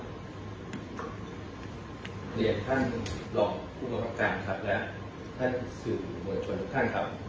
เนรยท่านรอคุณกรรมการค์ค่ะและท่านผู้สื่อหมวนโฉนทุกท่านค่ะ